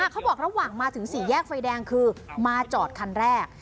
เขาบอกระหว่างมาถึงสี่แยกไฟแดงคือมาจอดคันแรก